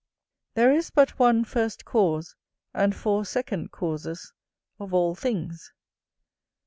There is but one first cause, and four second causes, of all things.